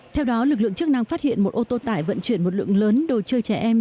theo đó lực lượng chức năng phát hiện một ô tô tải vận chuyển một lượng lớn đồ chơi trẻ em